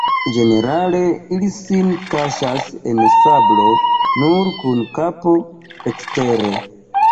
Ĝenerale ili sin kaŝas en sablo, nur kun kapo ekstere.